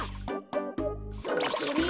それそれ！